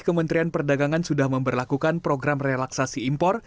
kementerian perdagangan sudah memperlakukan program relaksasi impor